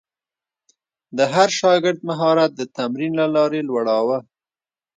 د هر شاګرد مهارت د تمرین له لارې لوړاوه.